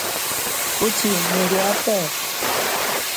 Kuchi, nuli ape?